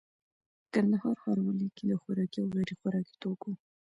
کندهار ښاروالي کي د خوراکي او غیري خوراکي توکو